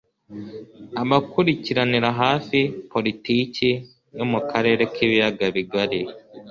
abakurikiranira hafi politiki yo mu karere k'ibiyaga bigari